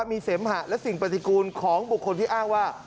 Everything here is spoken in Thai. มีเสมหะและสิ่งปฏิกูลของบุคคลที่อ้างว่า